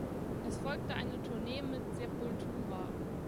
Es folgte eine Tournee mit Sepultura.